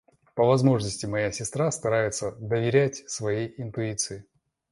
По возможности моя сестра старается доверять своей интуиции.